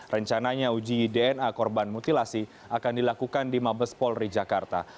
rencananya uji dna korban mutilasi akan dilakukan di mabes polri jakarta